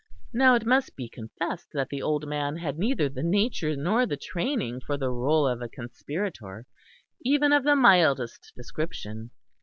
Now it must be confessed that the old man had neither the nature nor the training for the rôle of a conspirator, even of the mildest description.